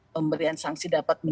pemberian sanksi dapat menilai